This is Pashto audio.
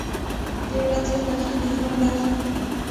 • د ورځې خوښي د ژوند برخه ده.